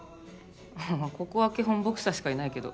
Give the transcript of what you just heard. ここは基本ボクサーしかいないけど。